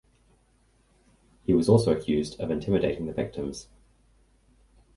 He was also accused of intimidating the victims.